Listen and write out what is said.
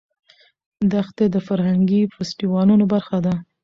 دښتې د فرهنګي فستیوالونو برخه ده.